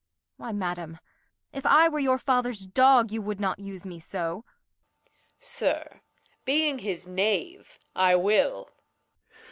Kent. Why Madam, if I were your Father's Dog You wou'd not use me so. Reg. Sir, being his Knave, I will. Glost.